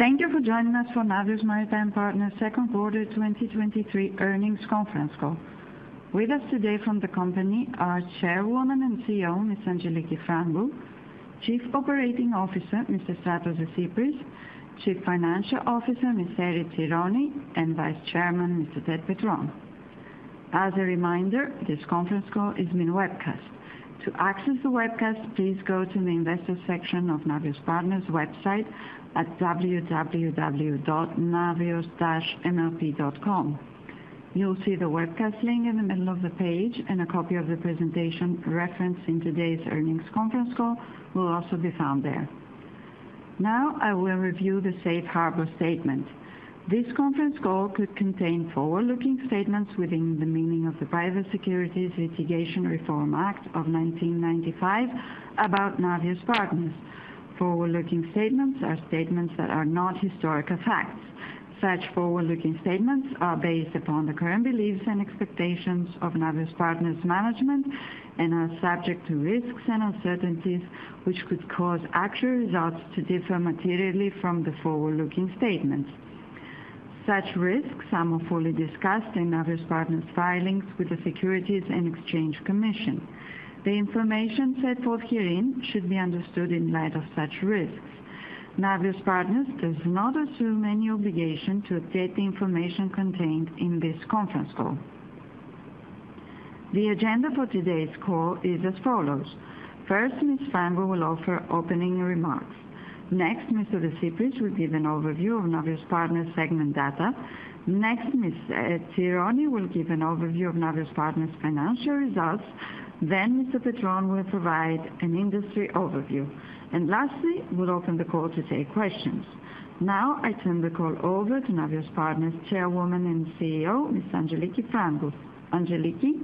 Thank you for joining us for Navios Maritime Partners second quarter 2023 earnings conference call. With us today from the company are Chairwoman and CEO, Ms. Angeliki Frangou, Chief Operating Officer, Mr. Efstratios Desypris, Chief Financial Officer, Ms. Erifili Tsironi, and Vice Chairman, Mr. Ted Petrone. As a reminder, this conference call is being webcast. To access the webcast, please go to the investor section of Navios Partners website at www.navios-mlp.com. You'll see the webcast link in the middle of the page, and a copy of the presentation referenced in today's earnings conference call will also be found there. Now, I will review the safe harbor statement. This conference call could contain forward-looking statements within the meaning of the Private Securities Litigation Reform Act of 1995 about Navios Partners. Forward-looking statements are statements that are not historical facts. Such forward-looking statements are based upon the current beliefs and expectations of Navios Partners management and are subject to risks and uncertainties, which could cause actual results to differ materially from the forward-looking statements. Such risks are more fully discussed in Navios Partners filings with the Securities and Exchange Commission. The information set forth herein should be understood in light of such risks. Navios Partners does not assume any obligation to update the information contained in this conference call. The agenda for today's call is as follows: First, Ms. Frangou will offer opening remarks. Next, Mr. Desypris will give an overview of Navios Partners segment data. Next, Ms. Tsironi will give an overview of Navios Partners financial results. Mr. Petrone will provide an industry overview, and lastly, we'll open the call to take questions. Now, I turn the call over to Navios Partners Chairwoman and CEO, Ms. Angeliki Frangou. Angeliki?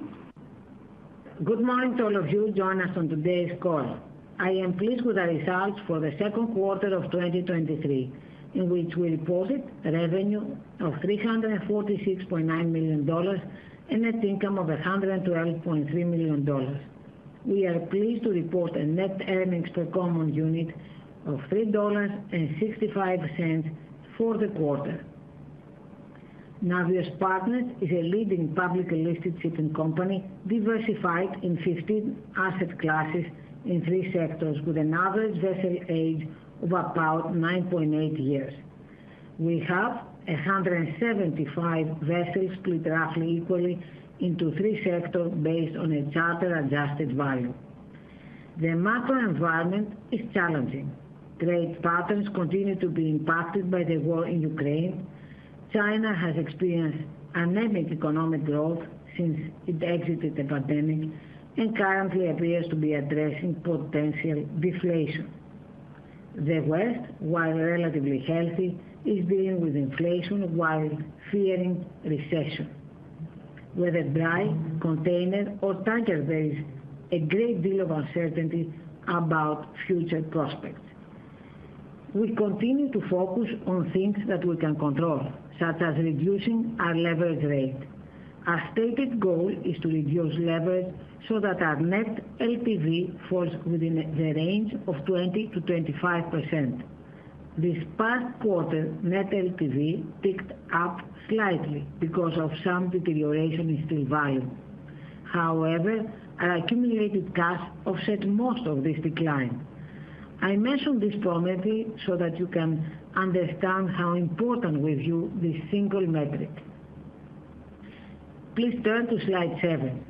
Good morning to all of you joining us on today's call. I am pleased with our results for the second quarter of 2023, in which we reported revenue of $346.9 million and net income of $112.3 million. We are pleased to report a net earnings per common unit of $3.65 for the quarter. Navios Maritime Partners is a leading publicly listed shipping company, diversified in 15 asset classes in three sectors, with an average vessel age of about 9.8 years. We have 175 vessels split roughly equally into three sectors based on a charter adjusted value. The macro environment is challenging. Trade patterns continue to be impacted by the war in Ukraine. China has experienced anemic economic growth since it exited the pandemic, and currently appears to be addressing potential deflation. The West, while relatively healthy, is dealing with inflation while fearing recession. Whether dry, container, or tanker, there is a great deal of uncertainty about future prospects. We continue to focus on things that we can control, such as reducing our leverage rate. Our stated goal is to reduce leverage so that our net LTV falls within the range of 20%-25%. This past quarter, net LTV ticked up slightly because of some deterioration in steel value. However, our accumulated cash offset most of this decline. I mention this prominently so that you can understand how important we view this single metric. Please turn to slide 7.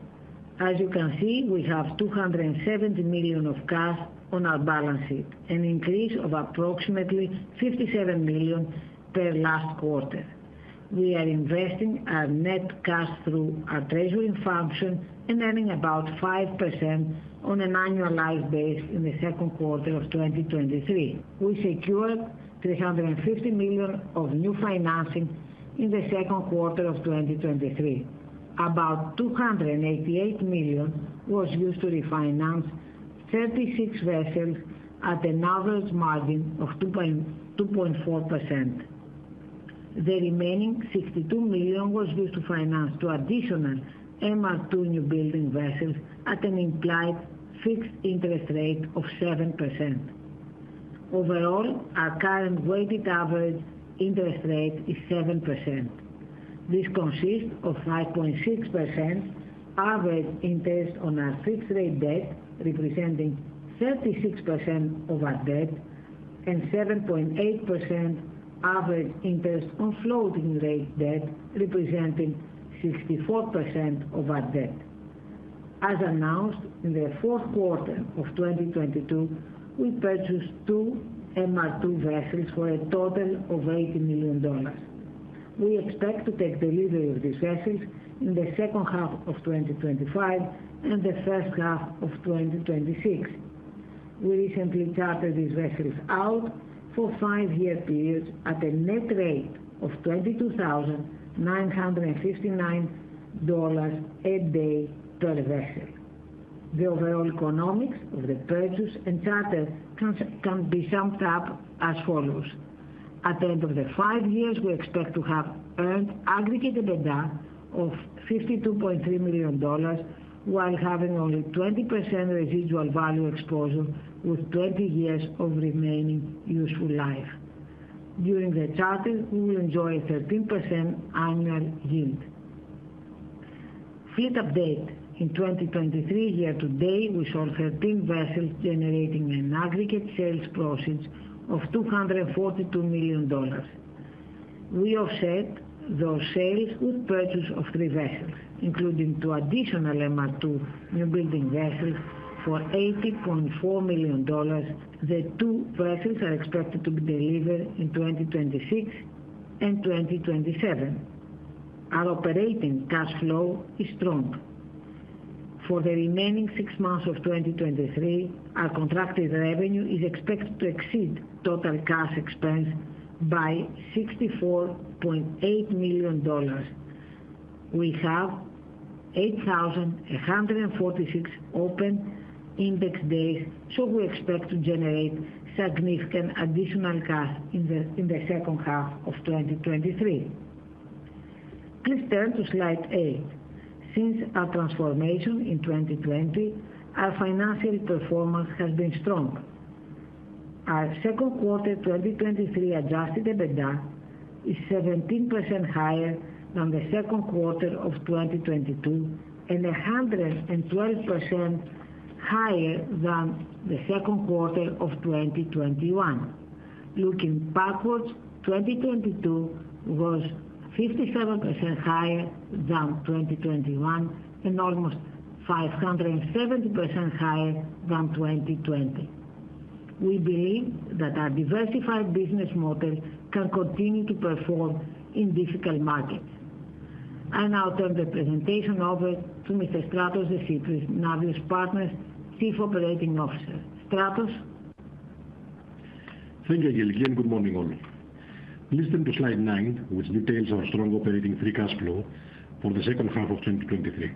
As you can see, we have $270 million of cash on our balance sheet, an increase of approximately $57 million per last quarter. We are investing our net cash through our treasury function and earning about 5% on an annualized base in the second quarter of 2023. We secured $350 million of new financing in the second quarter of 2023. About $288 million was used to refinance 36 vessels at an average margin of 2.4%. The remaining $62 million was used to finance two additional MR2 newbuilding vessels at an implied fixed interest rate of 7%. Overall, our current weighted average interest rate is 7%. This consists of 5.6% average interest on our fixed rate debt, representing 36% of our debt, and 7.8% average interest on floating rate debt, representing 64% of our debt. As announced in the fourth quarter of 2022, we purchased two MR2 vessels for a total of $80 million. We expect to take delivery of these vessels in the second half of 2025 and the first half of 2026. We recently chartered these vessels out for five-year periods at a net rate of $22,959 a day per vessel. The overall economics of the purchase and charter can, can be summed up as follows: At the end of the five years, we expect to have earned aggregated EBITDA of $52.3 million, while having only 20% residual value exposure, with 20 years of remaining useful life. During the charter, we will enjoy a 13% annual yield.... Fleet update. In 2023, year-to-date, we sold 13 vessels, generating an aggregate sales proceeds of $242 million. We offset those sales with purchase of three vessels, including two additional MR2 newbuilding vessels for $80.4 million. The two vessels are expected to be delivered in 2026 and 2027. Our operating cash flow is strong. For the remaining 6 months of 2023, our contracted revenue is expected to exceed total cash expense by $64.8 million. We have 8,146 open index days, so we expect to generate significant additional cash in the second half of 2023. Please turn to slide 8. Since our transformation in 2020, our financial performance has been strong. Our second quarter 2023 adjusted EBITDA is 17% higher than the second quarter of 2022, and 112% higher than the second quarter of 2021. Looking backwards, 2022 was 57% higher than 2021, and almost 570% higher than 2020. We believe that our diversified business model can continue to perform in difficult markets. I now turn the presentation over to Mr. Efstratios Desypris, Navios Partners Chief Operating Officer. Efstratios? Thank you, Angeliki. Good morning, all. Please turn to slide nine, which details our strong operating free cash flow for the second half of 2023.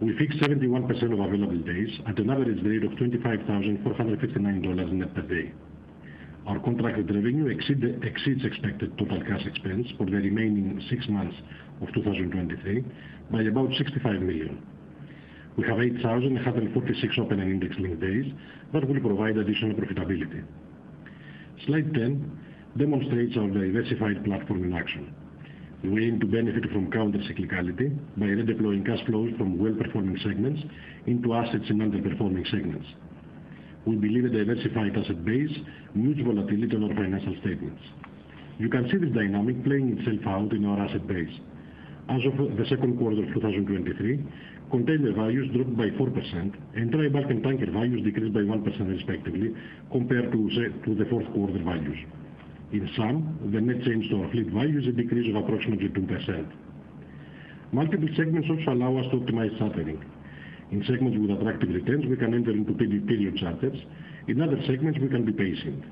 We fixed 71% of available days at an average rate of $25,459 net per day. Our contracted revenue exceeds expected total cash expense for the remaining six months of 2023 by about $65 million. We have 8,146 open and indexed days that will provide additional profitability. Slide 10 demonstrates our diversified platform in action. We aim to benefit from countercyclicality by redeploying cash flows from well-performing segments into assets in underperforming segments. We believe a diversified asset base moves volatility on our financial statements. You can see this dynamic playing itself out in our asset base. As of the second quarter of 2023, container values dropped by 4%, and dry bulk and tanker values decreased by 1% respectively, compared to the fourth quarter values. In sum, the net change to our fleet value is a decrease of approximately 2%. Multiple segments also allow us to optimize softening. In segments with attractive returns, we can enter into period charters. In other segments, we can be patient.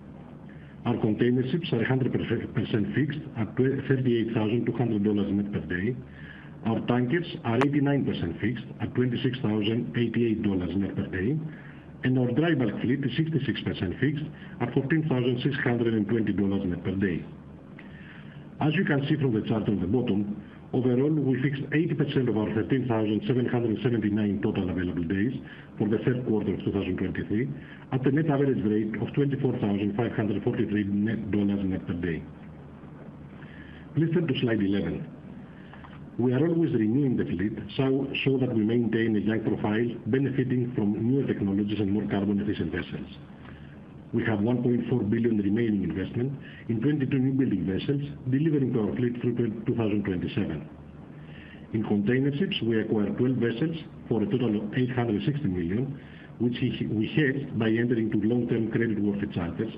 Our containerships are 100% fixed at $38,200 net per day. Our tankers are 89% fixed at $26,088 net per day, and our dry bulk fleet is 66% fixed at $14,620 net per day. As you can see from the chart on the bottom, overall, we fixed 80% of our 13,779 total available days for the third quarter of 2023, at a net average rate of $24,543 net per day. Please turn to slide 11. We are always renewing the fleet so that we maintain a young profile, benefiting from newer technologies and more carbon efficient vessels. We have $1.4 billion remaining investment in 22 newbuilding vessels delivering to our fleet through to 2027. In containerships, we acquired 12 vessels for a total of $860 million, which we hedged by entering into long-term credit worthy charters,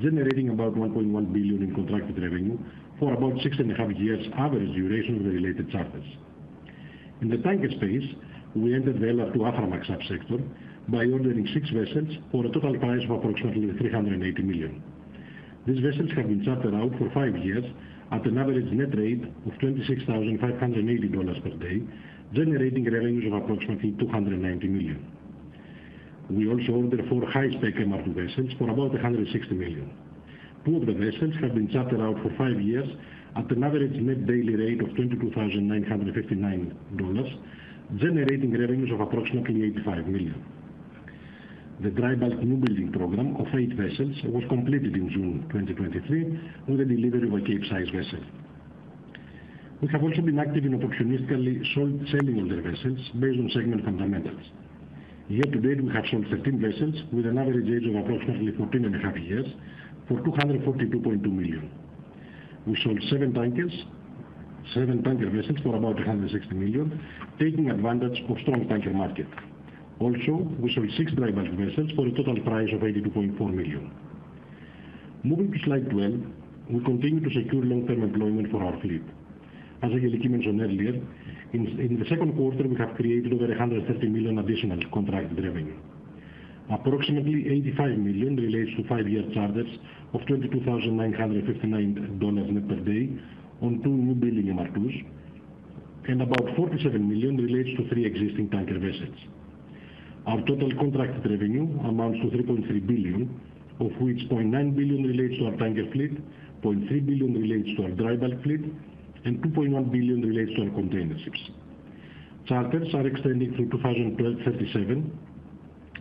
generating about $1.1 billion in contracted revenue for about 6.5 years average duration of the related charters. In the tanker space, we entered the LR2 Aframax subsector by ordering six vessels for a total price of approximately $380 million. These vessels have been chartered out for five years at an average net rate of $26,580 per day, generating revenues of approximately $290 million. We also ordered four high-spec MR2 vessels for about $160 million. Two of the vessels have been chartered out for five years at an average net daily rate of $22,959, generating revenues of approximately $85 million. The dry bulk newbuilding program of eight vessels was completed in June 2023, with the delivery of a Capesize vessel. We have also been active in opportunistically selling older vessels based on segment fundamentals. Year to date, we have sold 13 vessels with an average age of approximately 14.5 years for $242.2 million. We sold seven tankers, seven tanker vessels for about $160 million, taking advantage of strong tanker market. We sold six dry bulk vessels for a total price of $82.4 million. Moving to slide 12. We continue to secure long-term employment for our fleet. As Angeliki mentioned earlier, in the second quarter, we have created over $130 million additional contracted revenue. Approximately $85 million relates to five-year charters of $22,959 net per day on two newbuilding MR2s, and about $47 million relates to three existing tanker vessels. Our total contracted revenue amounts to $3.3 billion, of which $0.9 billion relates to our tanker fleet, $0.3 billion relates to our dry bulk fleet, and $2.1 billion relates to our containerships. Charters are extending through 2037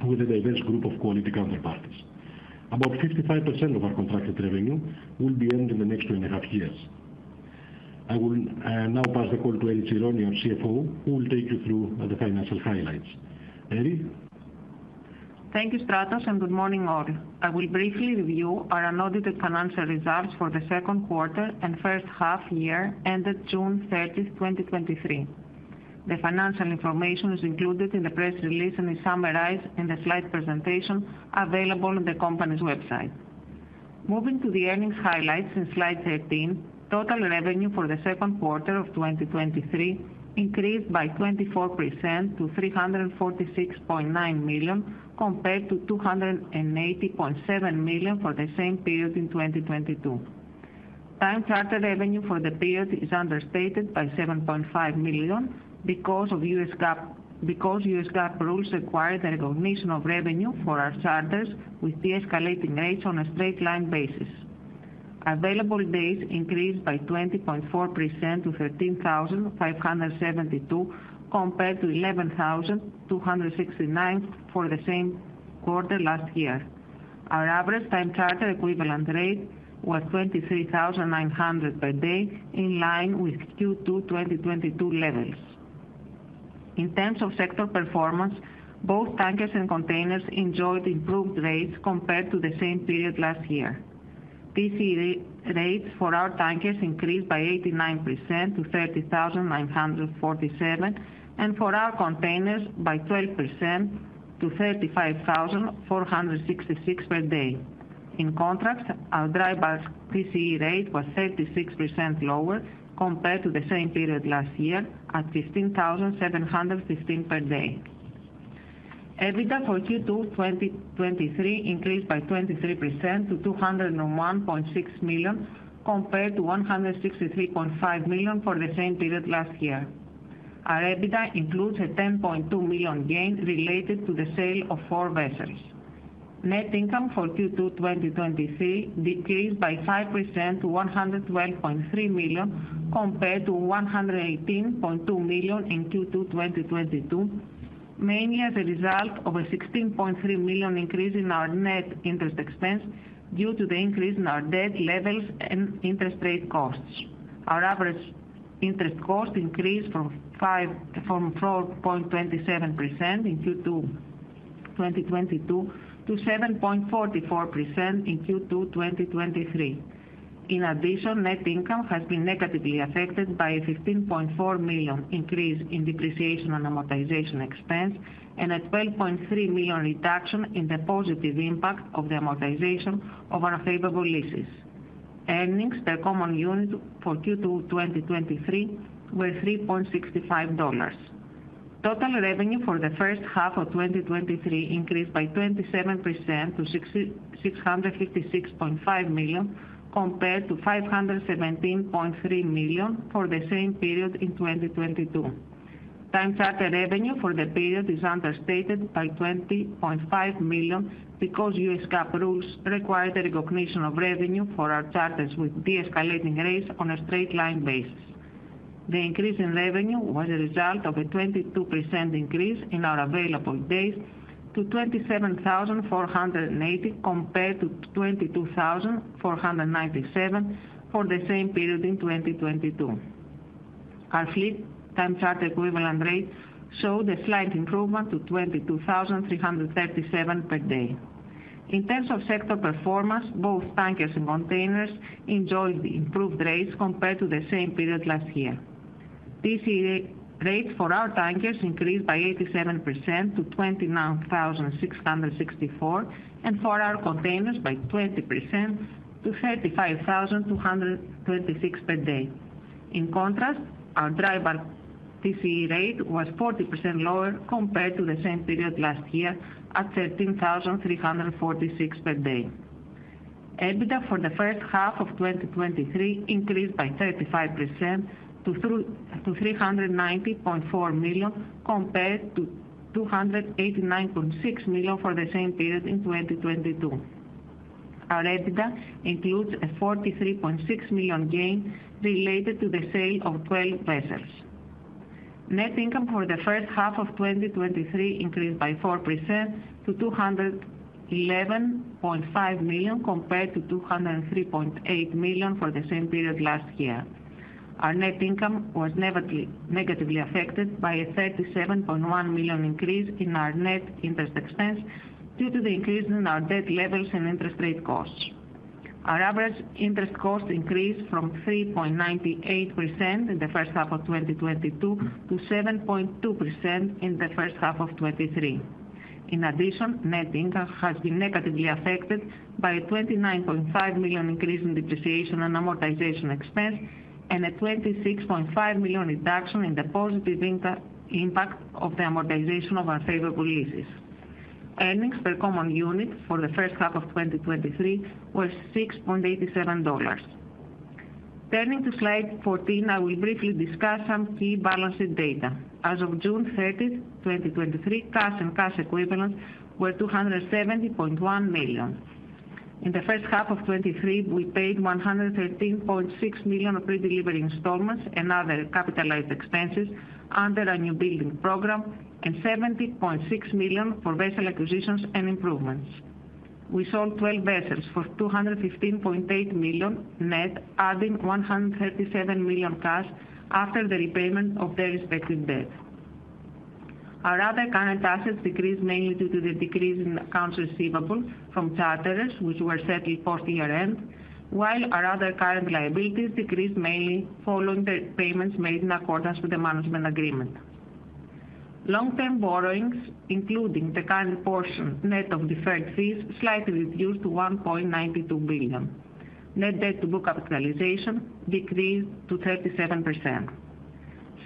with a diverse group of quality counterparties. About 55% of our contracted revenue will be earned in the next two and a half years. I will now pass the call to Erifili Tsironi, our CFO, who will take you through the financial highlights. Eri? Thank you, Efstratios. Good morning, all. I will briefly review our unaudited financial results for the second quarter and first half year ended June 30th, 2023. The financial information is included in the press release and is summarized in the slide presentation available on the company's website. Moving to the earnings highlights in slide 13, total revenue for the second quarter of 2023 increased by 24% to $346.9 million, compared to $280.7 million for the same period in 2022. Time charter revenue for the period is understated by $7.5 million because US GAAP rules require the recognition of revenue for our charters with de-escalating rates on a straight line basis. Available days increased by 20.4% to 13,572, compared to 11,269 for the same quarter last year. Our average time charter equivalent rate was $23,900 per day, in line with Q2 2022 levels. In terms of sector performance, both tankers and containers enjoyed improved rates compared to the same period last year. TCE rates for our tankers increased by 89% to $30,947, and for our containers by 12% to $35,466 per day. In contrast, our dry bulk TCE rate was 36% lower compared to the same period last year, at $15,715 per day. EBITDA for Q2 2023 increased by 23% to $201.6 million, compared to $163.5 million for the same period last year. Our EBITDA includes a $10.2 million gain related to the sale of four vessels. Net income for Q2 2023 decreased by 5% to $112.3 million, compared to $118.2 million in Q2 2022, mainly as a result of a $16.3 million increase in our net interest expense due to the increase in our debt levels and interest rate costs. Our average interest cost increased from 4.27% in Q2 2022, to 7.44% in Q2 2023. In addition, net income has been negatively affected by a $15.4 million increase in depreciation and amortization expense, and a $12.3 million reduction in the positive impact of the amortization of unfavorable leases. Earnings per common unit for Q2, 2023 were $3.65. Total revenue for the first half of 2023 increased by 27% to $656.5 million, compared to $517.3 million for the same period in 2022. Time charter revenue for the period is understated by $20.5 million because US GAAP rules require the recognition of revenue for our charters with de-escalating rates on a straight line basis. The increase in revenue was a result of a 22% increase in our available days to 27,480, compared to 22,497 for the same period in 2022. Our fleet time charter equivalent rates showed a slight improvement to $22,337 per day. In terms of sector performance, both tankers and containers enjoyed the improved rates compared to the same period last year. TCE rates for our tankers increased by 87% to $29,664, and for our containers by 20% to $35,226 per day. In contrast, our dry bulk TCE rate was 40% lower compared to the same period last year, at $13,346 per day. EBITDA for the first half of 2023 increased by 35% to $390.4 million, compared to $289.6 million for the same period in 2022. Our EBITDA includes a $43.6 million gain related to the sale of 12 vessels. Net income for the first half of 2023 increased by 4% to $211.5 million, compared to $203.8 million for the same period last year. Our net income was negatively affected by a $37.1 million increase in our net interest expense due to the increase in our debt levels and interest rate costs. Our average interest cost increased from 3.98% in the first half of 2022, to 7.2% in the first half of 2023. Net income has been negatively affected by a $29.5 million increase in depreciation and amortization expense, and a $26.5 million reduction in the positive impact of the amortization of unfavorable leases. Earnings per common unit for the first half of 2023 were $6.87. Turning to slide 14, I will briefly discuss some key balancing data. As of June 30th, 2023, cash and cash equivalents were $270.1 million. In the first half of 2023, we paid $113.6 million pre-delivery installments and other capitalized expenses under our new building program, and $70.6 million for vessel acquisitions and improvements. We sold 12 vessels for $215.8 million net, adding $137 million cash after the repayment of their respective debt. Our other current assets decreased mainly due to the decrease in accounts receivable from charterers, which were settled for the year-end, while our other current liabilities decreased mainly following the payments made in accordance with the management agreement. Long-term borrowings, including the current portion net of deferred fees, slightly reduced to $1.92 billion. Net debt to book capitalization decreased to 37%.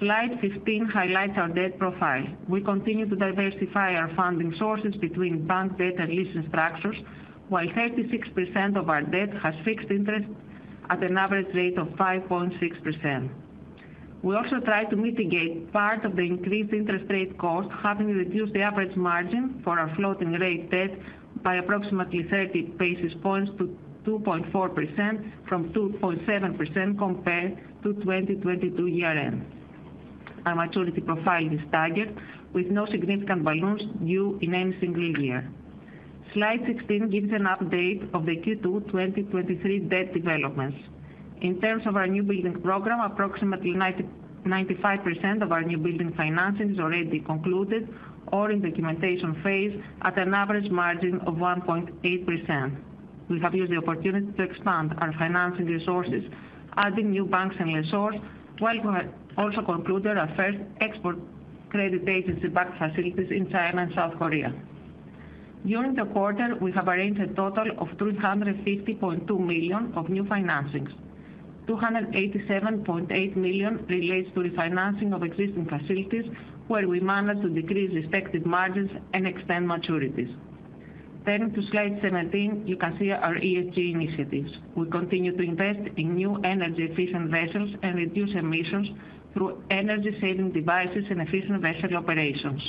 Slide 15 highlights our debt profile. We continue to diversify our funding sources between bank debt and lease structures, while 36% of our debt has fixed interest at an average rate of 5.6%. We also try to mitigate part of the increased interest rate cost, having reduced the average margin for our floating rate debt by approximately 30 basis points to 2.4% from 2.7% compared to 2022 year-end. Our maturity profile is target, with no significant balloons due in any single year. Slide 16 gives an update of the Q2 2023 debt developments. In terms of our new building program, approximately 90%-95% of our new building financing is already concluded or in documentation phase at an average margin of 1.8%. We have used the opportunity to expand our financing resources, adding new banks and lessors, while we also concluded our first export credit agency back facilities in China and South Korea. During the quarter, we have arranged a total of $350.2 million of new financings. $287.8 million relates to refinancing of existing facilities, where we managed to decrease respective margins and extend maturities. Turning to slide 17, you can see our ESG initiatives. We continue to invest in new energy-efficient vessels and reduce emissions through energy-saving devices and efficient vessel operations.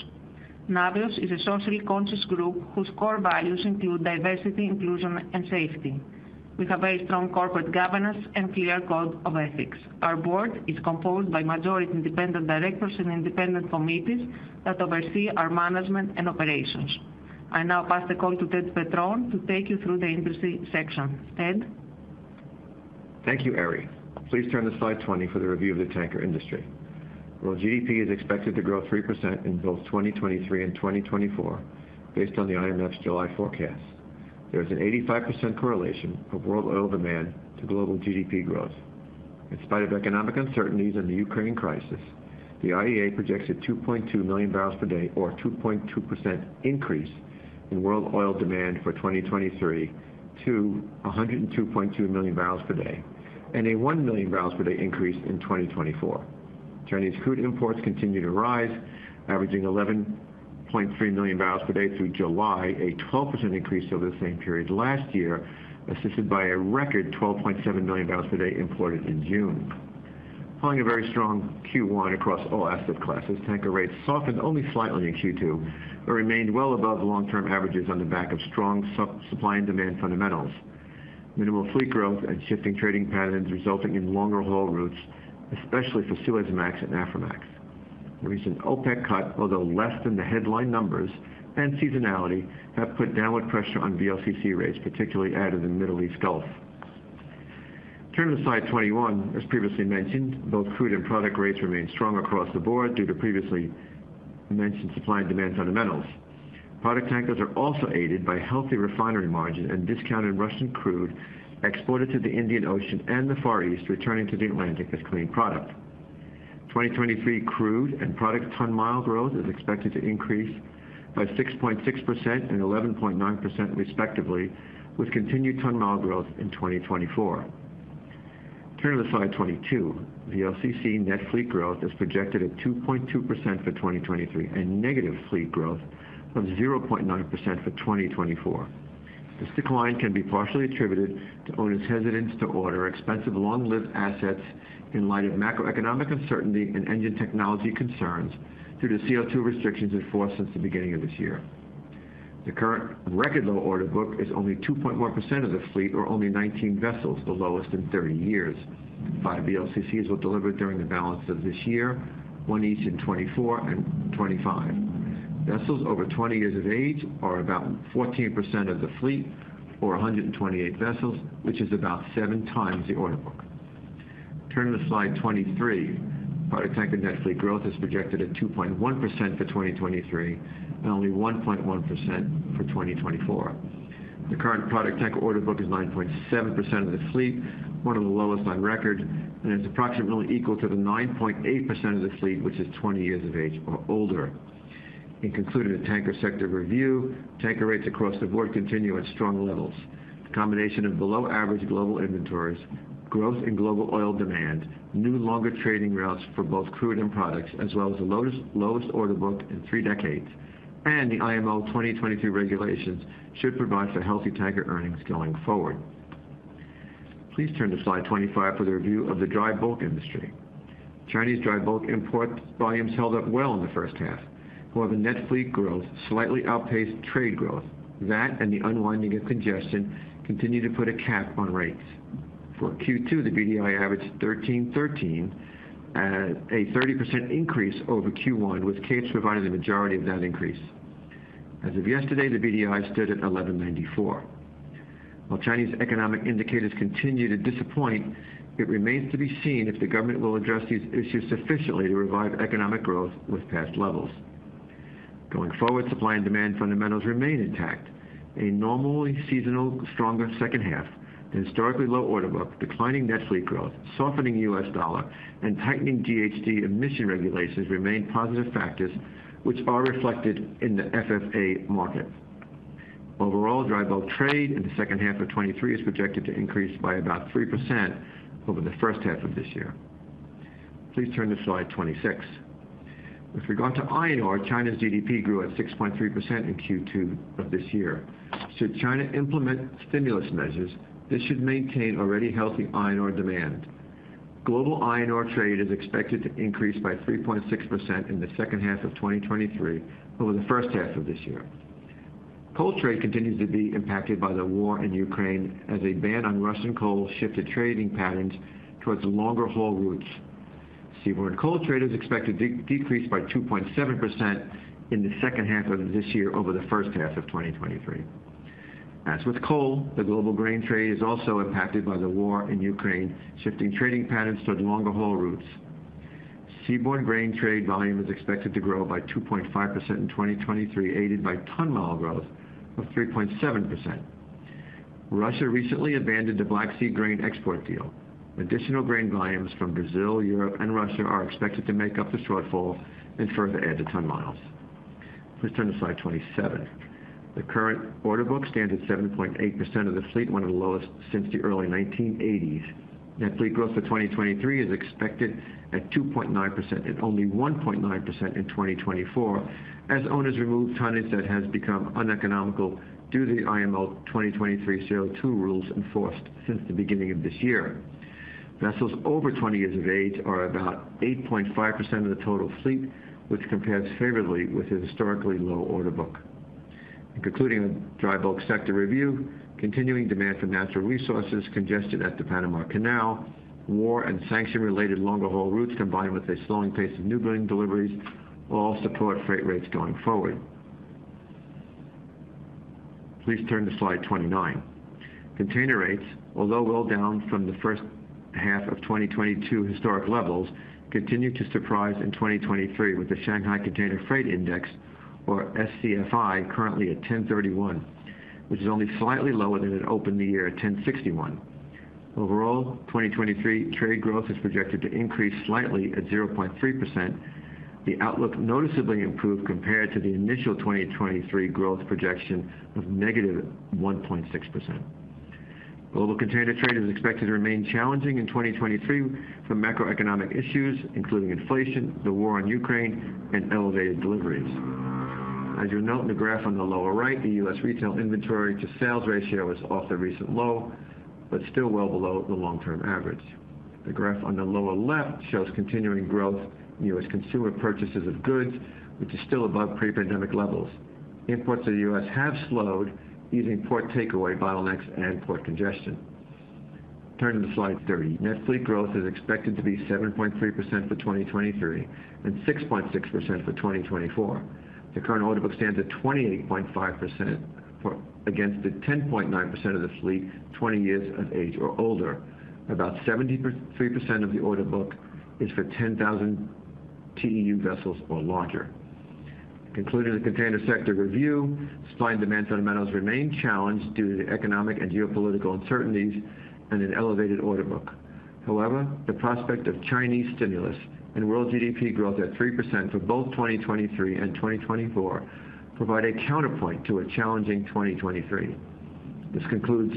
Navios is a socially conscious group whose core values include diversity, inclusion, and safety, with a very strong corporate governance and clear code of ethics. Our board is composed by majority independent directors and independent committees that oversee our management and operations. I now pass the call to Ted Petrone to take you through the industry section. Ted? Thank you, Eri. Please turn to slide 20 for the review of the tanker industry. World GDP is expected to grow 3% in both 2023 and 2024, based on the IMF's July forecast. There is an 85% correlation of world oil demand to global GDP growth. In spite of economic uncertainties and the Ukraine crisis, the IEA projects a 2.2 million barrels per day or 2.2% increase in world oil demand for 2023 to 102.2 million barrels per day, and a 1 million barrels per day increase in 2024. Chinese crude imports continue to rise, averaging 11.3 million barrels per day through July, a 12% increase over the same period last year, assisted by a record 12.7 million barrels per day imported in June. Following a very strong Q1 across all asset classes, tanker rates softened only slightly in Q2, but remained well above long-term averages on the back of strong supply and demand fundamentals, minimal fleet growth and shifting trading patterns, resulting in longer haul routes, especially for Suezmax and Aframax. The recent OPEC cut, although less than the headline numbers and seasonality, have put downward pressure on VLCC rates, particularly out of the Middle East Gulf. Turn to slide 21. As previously mentioned, both crude and product rates remain strong across the board due to previously mentioned supply and demand fundamentals. Product tankers are also aided by healthy refinery margin and discounted Russian crude exported to the Indian Ocean and the Far East, returning to the Atlantic as clean product. 2023 crude and product ton-mile growth is expected to increase by 6.6% and 11.9% respectively, with continued ton-mile growth in 2024. Turning to slide 22, VLCC net fleet growth is projected at 2.2% for 2023, and negative fleet growth of 0.9% for 2024. This decline can be partially attributed to owners' hesitance to order expensive long-lived assets in light of macroeconomic uncertainty and engine technology concerns due to CO2 restrictions in force since the beginning of this year. The current record low order book is only 2.1% of the fleet, or only 19 vessels, the lowest in 30 years. 5 VLCCs were delivered during the balance of this year, one each in 2024 and 2025. Vessels over 20 years of age are about 14% of the fleet, or 128 vessels, which is about seven times the order book. Turning to slide 23, product tanker net fleet growth is projected at 2.1% for 2023. Only 1.1% for 2024. The current product tanker order book is 9.7% of the fleet, one of the lowest on record. It's approximately equal to the 9.8% of the fleet, which is 20 years of age or older. In concluding the tanker sector review, tanker rates across the board continue at strong levels. The combination of below average global inventories, growth in global oil demand, new longer trading routes for both crude and products, as well as the lowest order book in three decades, and the IMO 2022 regulations should provide for healthy tanker earnings going forward. Please turn to slide 25 for the review of the dry bulk industry. Chinese dry bulk import volumes held up well in the first half, however, net fleet growth slightly outpaced trade growth. That, and the unwinding of congestion, continued to put a cap on rates. For Q2, the BDI averaged 1,313, at a 30% increase over Q1, with Capes providing the majority of that increase. As of yesterday, the BDI stood at 1,194. While Chinese economic indicators continue to disappoint, it remains to be seen if the government will address these issues sufficiently to revive economic growth with past levels. Going forward, supply and demand fundamentals remain intact. A normally seasonal stronger second half, an historically low order book, declining net fleet growth, softening US dollar, and tightening GHG emission regulations remain positive factors, which are reflected in the FFA market. Overall, dry bulk trade in the second half of 2023 is projected to increase by about 3% over the first half of this year. Please turn to slide 26. With regard to iron ore, China's GDP grew at 6.3% in Q2 of this year. Should China implement stimulus measures, this should maintain already healthy iron ore demand. Global iron ore trade is expected to increase by 3.6% in the second half of 2023 over the first half of this year. Coal trade continues to be impacted by the war in Ukraine, as a ban on Russian coal shifted trading patterns towards longer haul routes. Seaborne coal trade is expected to de-decrease by 2.7% in the second half of this year over the first half of 2023. As with coal, the global grain trade is also impacted by the war in Ukraine, shifting trading patterns towards longer haul routes. Seaborne grain trade volume is expected to grow by 2.5% in 2023, aided by ton-mile growth of 3.7%. Russia recently abandoned the Black Sea grain export deal. Additional grain volumes from Brazil, Europe and Russia are expected to make up the shortfall and further add to ton-miles. Please turn to slide 27. The current order book stands at 7.8% of the fleet, one of the lowest since the early 1980s. Net fleet growth for 2023 is expected at 2.9%, and only 1.9% in 2024, as owners remove tonnage that has become uneconomical due to the IMO 2023 CO2 rules enforced since the beginning of this year. Vessels over 20 years of age are about 8.5% of the total fleet, which compares favorably with a historically low order book. In concluding the dry bulk sector review, continuing demand for natural resources, congestion at the Panama Canal, war and sanction-related longer haul routes, combined with a slowing pace of new building deliveries, will all support freight rates going forward. Please turn to slide 29. Container rates, although well down from the first half of 2022 historic levels, continue to surprise in 2023, with the Shanghai Containerized Freight Index, or SCFI, currently at 1,031, which is only slightly lower than it opened the year at 1,061. Overall, 2023 trade growth is projected to increase slightly at 0.3%. The outlook noticeably improved compared to the initial 2023 growth projection of negative 1.6%. Global container trade is expected to remain challenging in 2023 from macroeconomic issues, including inflation, the war on Ukraine and elevated deliveries. As you'll note in the graph on the lower right, the US retail inventory to sales ratio is off the recent low, but still well below the long-term average. The graph on the lower left shows continuing growth in U.S. consumer purchases of goods, which is still above pre-pandemic levels. Imports to the U.S. have slowed, easing port takeaway bottlenecks and port congestion. Turn to slide 30. Net fleet growth is expected to be 7.3% for 2023, and 6.6% for 2024. The current order book stands at 28.5% against the 10.9% of the fleet, 20 years of age or older. About 73% of the order book is for 10,000 TEU vessels or larger. Concluding the container sector review, supply and demand fundamentals remain challenged due to the economic and geopolitical uncertainties and an elevated order book. However, the prospect of Chinese stimulus and World GDP growth at 3% for both 2023 and 2024 provide a counterpoint to a challenging 2023. This concludes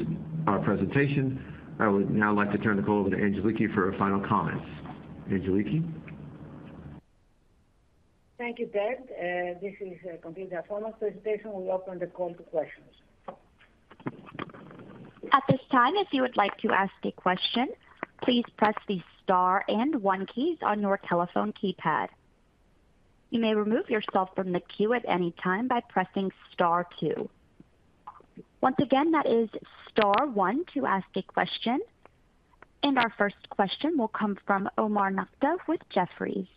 our presentation. I would now like to turn the call over to Angeliki for her final comments. Angeliki? Thank you, Ted. This concludes the formal presentation. We open the call to questions. At this time, if you would like to ask a question, please press the star and one keys on your telephone keypad. You may remove yourself from the queue at any time by pressing star two. Once again, that is star one to ask a question. Our first question will come from Omar Nokta with Jefferies.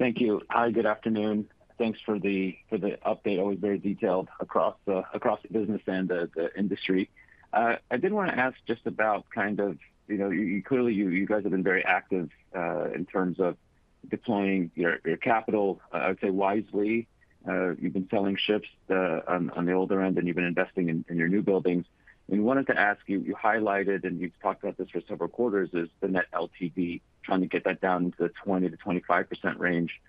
Thank you. Hi, good afternoon. Thanks for the, for the update. Always very detailed across the, across the business and the, the industry. I did want to ask just about kind of, you know, you, clearly, you, you guys have been very active in terms of deploying your, your capital, I would say, wisely. You've been selling ships on, on the older end, and you've been investing in, in your new buildings. Wanted to ask you, you highlighted, and you've talked about this for several quarters, is the net LTV, trying to get that down into the 20%-25% range.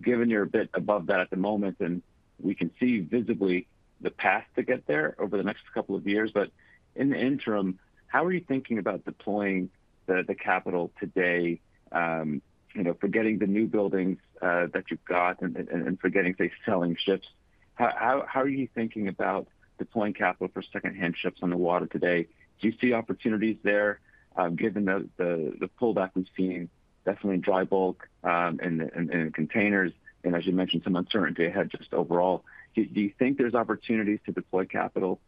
Given you're a bit above that at the moment, and we can see visibly the path to get there over the next couple of years, but in the interim, how are you thinking about deploying the, the capital today? You know, forgetting the new buildings, that you've got and, and, and forgetting, say, selling ships. How, how, how are you thinking about deploying capital for secondhand ships on the water today? Do you see opportunities there, given the, the, the pullback we've seen, definitely in dry bulk, and, and in containers, and as you mentioned, some uncertainty ahead, just overall. Do, do you think there's opportunities to deploy capital,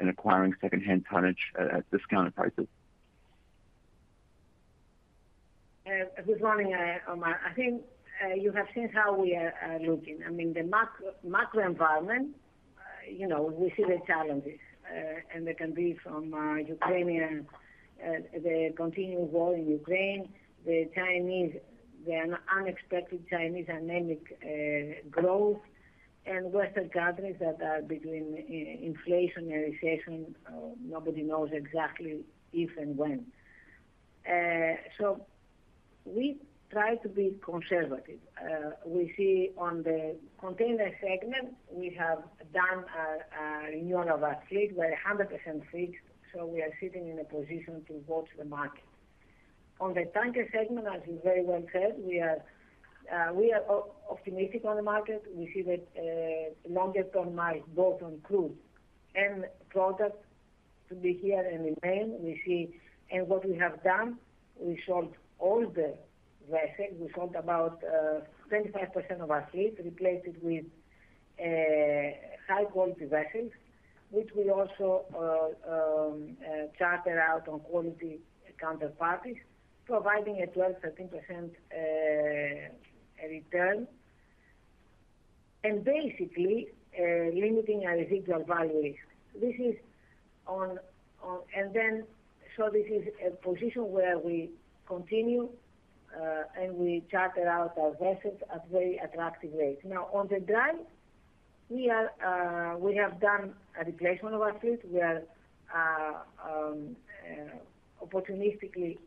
in acquiring secondhand tonnage at, at discounted prices? Good morning, Omar. I think you have seen how we are looking. I mean, the macro environment, you know, we see the challenges. They can be from Ukrainian, the continuing war in Ukraine, the Chinese, the unexpected Chinese anemic growth, Western governments that are between inflation and recession. Nobody knows exactly if and when. We try to be conservative. We see on the container segment, we have done a renewal of our fleet. We're 100% fleet, we are sitting in a position to watch the market. On the tanker segment, as you very well said, we are optimistic on the market. We see that longer ton-miles both on crude and product to be here and remain. We see. What we have done, we sold older vessels. We sold about 25% of our fleet, replaced it with high-quality vessels, which we also charter out on quality counterparties, providing a 12%-13% return. Basically limiting our residual value risk. This is a position where we continue and we charter out our vessels at very attractive rates. On the dry, we have done a replacement of our fleet. We are opportunistically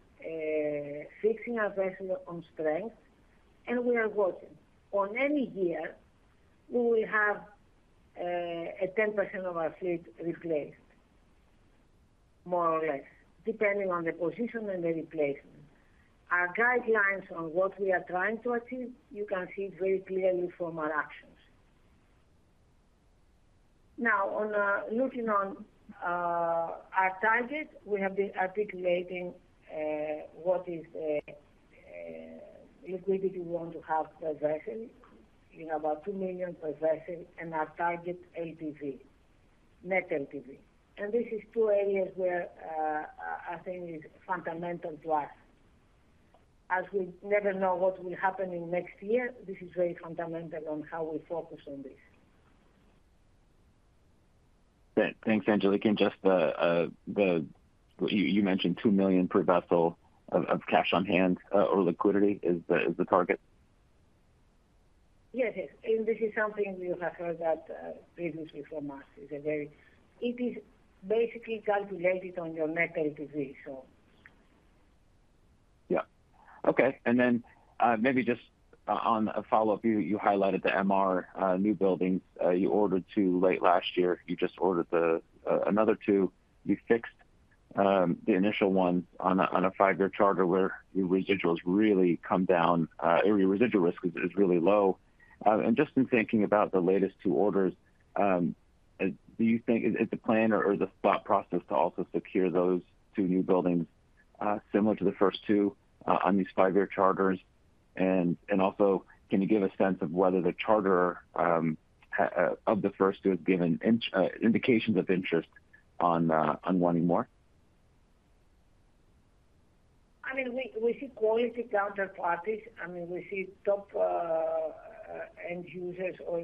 fixing our vessel on strength, and we are watching. On any year, we will have a 10% of our fleet replaced, more or less, depending on the position and the replacement. Our guidelines on what we are trying to achieve, you can see very clearly from our actions. Now, on looking on our targets, we have been articulating what is liquidity we want to have per vessel, in about $2 million per vessel, and our target APV, net APV. This is two areas where I think is fundamental to us. As we never know what will happen in next year, this is very fundamental on how we focus on this. Great. Thanks, Angeliki. Just the, the, you, you mentioned $2 million per vessel of, of cash on hand, or liquidity is the, is the target? Yes, yes. This is something you have heard that previously from us. It's a very, it is basically calculated on your Net APV, so. Yeah. Okay. Then, maybe just on a follow-up, you highlighted the MR new buildings. You ordered two late last year. You just ordered another two. You fixed the initial ones on a five-year charter, where your residuals really come down, your residual risk is really low. Just in thinking about the latest two orders, do you think, is the plan or the thought process to also secure those two new buildings, similar to the first two, on these five-year charters? Also, can you give a sense of whether the charterer of the first two has given indications of interest on wanting more? I mean, we, we see quality counterparties. I mean, we see top end users or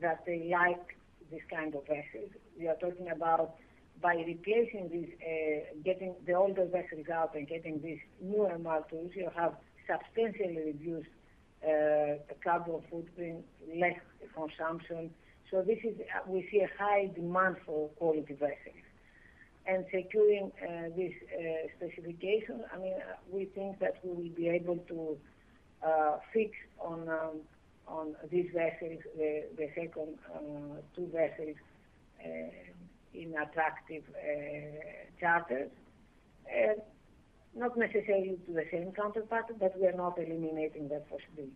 that they like this kind of vessels. We are talking about by replacing these, getting the older vessels out and getting these newer models, you have substantially reduced carbon footprint, less consumption. This is... We see a high demand for quality vessels. Securing this specification, I mean, we think that we will be able to fix on these vessels, the second two vessels, in attractive charters. Not necessarily to the same counterparty, but we are not eliminating that possibility.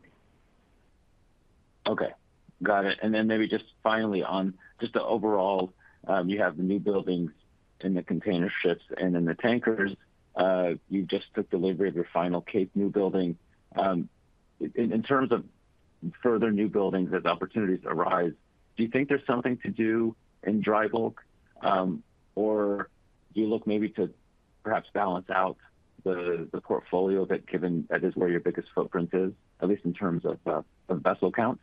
Okay. Got it. Then maybe just finally on just the overall, you have the new buildings in the container ships and in the tankers, you just took delivery of your final Cape new building. In, in terms of further new buildings as opportunities arise, do you think there's something to do in dry bulk? Or do you look maybe to perhaps balance out the, the portfolio that given that is where your biggest footprint is, at least in terms of, the vessel count?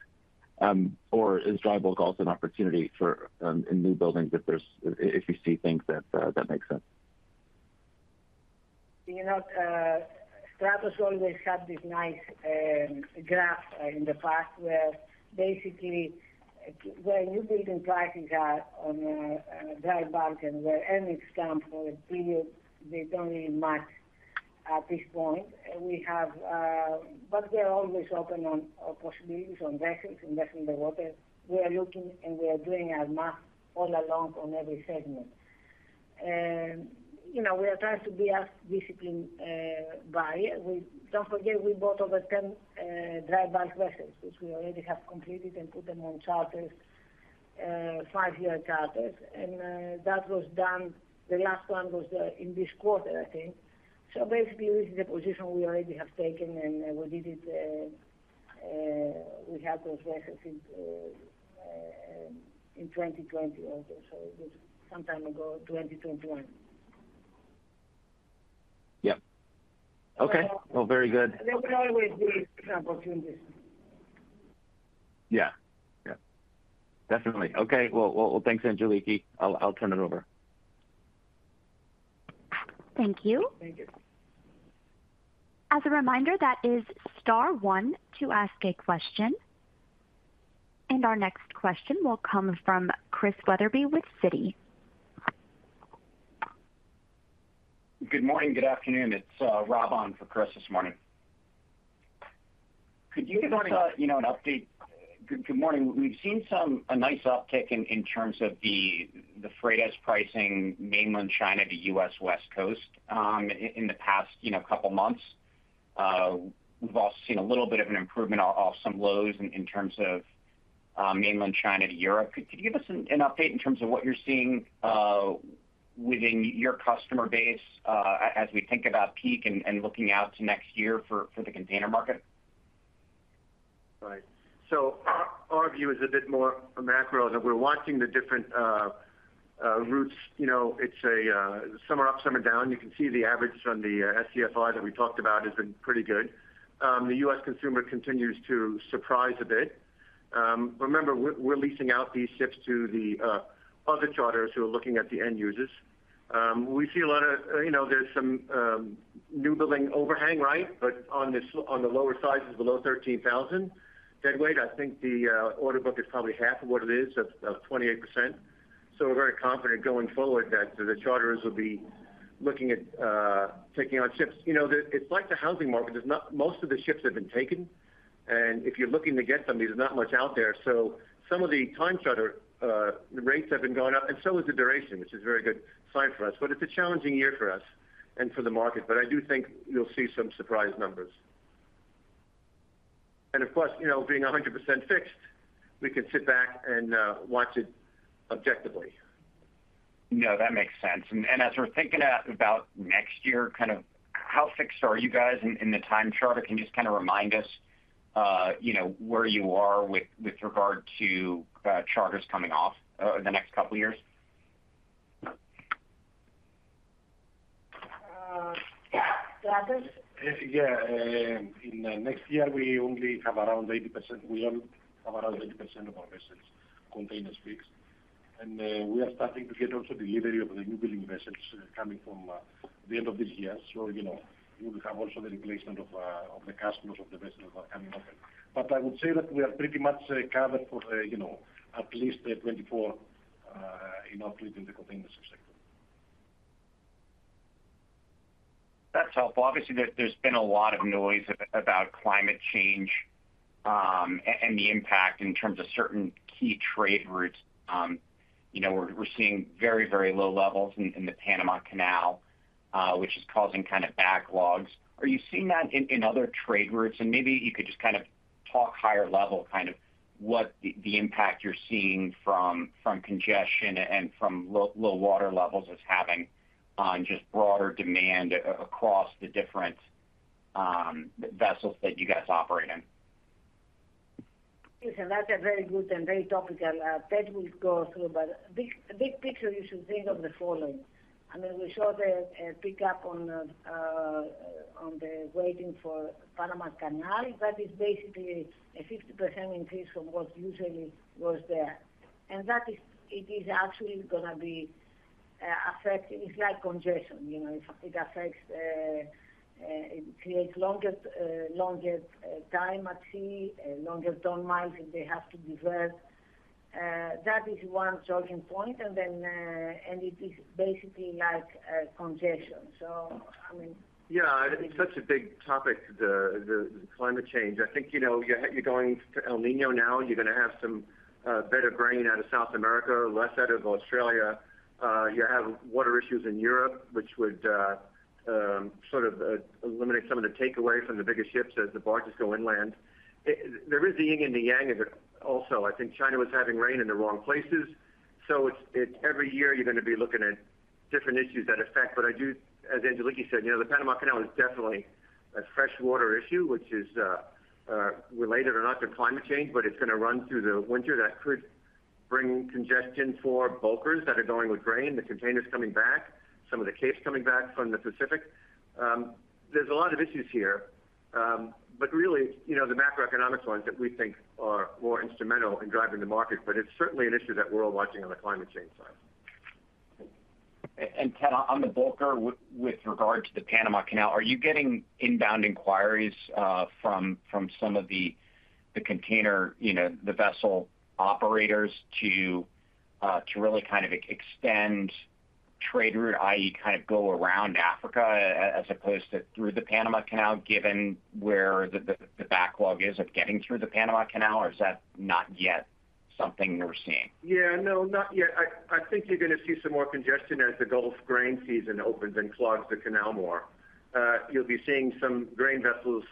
Or is dry bulk also an opportunity for, in new buildings if there's, if, if you see things that, that make sense? You know what? Efstratios always had this nice graph in the past, where basically, where new building prices are on dry bulk and where earnings come for a period, they don't really match at this point. We are always open on possibilities on vessels, investing the water. We are looking, and we are doing our math all along on every segment. You know, we are trying to be as disciplined by. Don't forget, we bought over 10 dry bulk vessels, which we already have completed and put them on charters, five-year charters, and that was done, the last one was in this quarter, I think. Basically, this is the position we already have taken, and we did it, we had those vessels in 2020 also. It was some time ago, 2021. Yep. Okay. Well, very good. There will always be some opportunities. Yeah. Yeah, definitely. Okay, well, well, thanks, Angeliki. I'll, I'll turn it over. Thank you. Thank you. As a reminder, that is star one to ask a question. Our next question will come from Chris Wetherbee with Citi. Good morning, good afternoon. It's Rob on for Chris this morning. Could you give us, you know, an update? Good, good morning. We've seen some, a nice uptick in, in terms of the, the freight as pricing Mainland China to US West Coast, in the past, you know, couple of months. We've also seen a little bit of an improvement off some lows in terms of, Mainland China to Europe. Could you give us an update in terms of what you're seeing, within your customer base, as we think about peak and, and looking out to next year for, for the container market? Right. Our view is a bit more macro, that we're watching the different routes. You know, it's some are up, some are down. You can see the average on the SCFI that we talked about has been pretty good. The US consumer continues to surprise a bit. Remember, we're leasing out these ships to the other charters who are looking at the end users. We see a lot of, you know, there's some new building overhang, right? On this, on the lower sizes, below 13,000 deadweight, I think the order book is probably half of what it is, 28%. We're very confident going forward that the charters will be looking at taking on ships. You know, it's like the housing market. Most of the ships have been taken, and if you're looking to get some, there's not much out there. Some of the time charter rates have been going up, and so has the duration, which is a very good sign for us. It's a challenging year for us and for the market, but I do think you'll see some surprise numbers. Of course, you know, being 100% fixed, we can sit back and watch it objectively. No, that makes sense. As we're thinking about next year, kind of how fixed are you guys in, in the time charter? Can you just kind of remind us, you know, where you are with, with regard to charters coming off in the next couple of years? Efstratios? Yeah, in next year, we only have around 80%. We only have around 80% of our vessels, containers fixed. We are starting to get also delivery of the new building vessels coming from the end of this year. You know, we will have also the replacement of the customers of the vessels that are coming up. I would say that we are pretty much covered for, you know, at least 2024 in our fleet in the containers sector. That's helpful. Obviously, there's, there's been a lot of noise about climate change, and the impact in terms of certain key trade routes. You know, we're, we're seeing very, very low levels in, in the Panama Canal, which is causing kind of backlogs. Are you seeing that in, in other trade routes? Maybe you could just kind of talk higher level, kind of what the, the impact you're seeing from, from congestion and from low, low water levels is having on just broader demand across the different vessels that you guys operate in? Yes, and that's a very good and very topical, Ted will go through. Big, big picture, you should think of the following. I mean, we saw the pick up on the on the waiting for Panama Canal. That is basically a 50% increase from what usually was there. That is, it is actually going to be affecting. It's like congestion, you know, it affects, it creates longer, longer time at sea, longer ton-miles if they have to divert. That is one talking point, and then, it is basically like a congestion. I mean... Yeah, it's such a big topic, the, the climate change. I think, you know, you're going to El Niño now, you're going to have some better grain out of South America, less out of Australia. You have water issues in Europe, which would sort of eliminate some of the takeaway from the bigger ships as the barges go inland. There is the yin and the yang also. I think China was having rain in the wrong places. It's, it-- every year you're going to be looking at different issues that affect. I do, as Angeliki said, you know, the Panama Canal is definitely a fresh water issue, which is related or not to climate change, but it's going to run through the winter. That could bring congestion for bulkers that are going with grain, the containers coming back, some of the capes coming back from the Pacific. There's a lot of issues here, but really, you know, the macroeconomic ones that we think are more instrumental in driving the market, but it's certainly an issue that we're watching on the climate change side. Ted, on the bulker, with, with regard to the Panama Canal, are you getting inbound inquiries, from, from some of the, the container, you know, the vessel operators to really kind of extend trade route, i.e., kind of go around Africa as opposed to through the Panama Canal, given where the, the, the backlog is of getting through the Panama Canal, or is that not yet something you're seeing? Yeah, no, not yet. I think you're going to see some more congestion as the Gulf grain season opens and clogs the canal more. You'll be seeing some grain vessels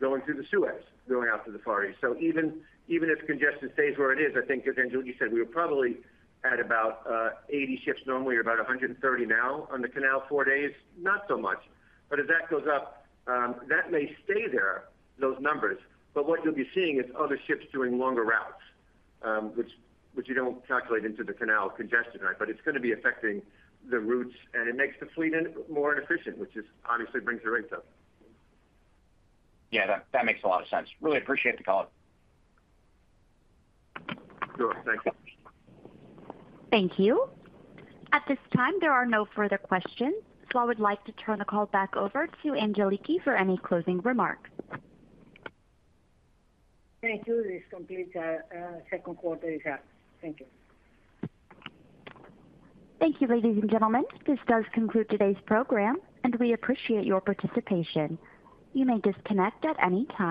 going through the Suez, going out to the Far East. Even, even if congestion stays where it is, I think as Angeliki said, we are probably at about 80 ships normally, or about 130 now on the canal, four days, not so much. As that goes up, that may stay there, those numbers, but what you'll be seeing is other ships doing longer routes, which, which you don't calculate into the canal congestion, right? It's going to be affecting the routes, and it makes the fleet in more inefficient, which is obviously brings the rates up. Yeah, that, that makes a lot of sense. Really appreciate the call. Sure. Thank you. Thank you. At this time, there are no further questions, I would like to turn the call back over to Angeliki for any closing remarks. Thank you. This completes our second quarter result. Thank you. Thank you, ladies and gentlemen. This does conclude today's program, and we appreciate your participation. You may disconnect at any time.